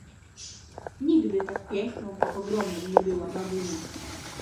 "Nigdy tak piękną, tak ogromną nie była babunia."